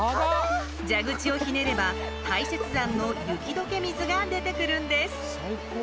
蛇口をひねれば、大雪山の雪どけ水が出てくるんです。